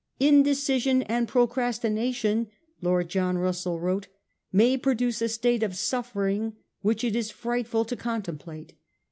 'Indecision and procrastination,' Lord John Russell wrote, 'may produce a state of suffering which it is frightful to contemplate.